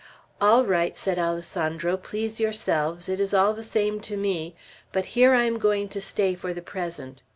"All right," said Alessandro; "please yourselves! It is all the same to me. But here I am going to stay for the present.